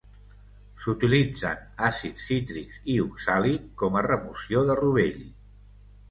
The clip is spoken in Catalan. S'utilitzen àcids cítrics i oxàlic com a remoció de rovell.